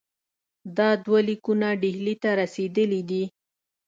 دا دوه لیکونه ډهلي ته رسېدلي دي.